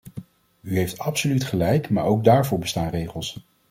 U heeft absoluut gelijk maar ook daarvoor bestaan regels.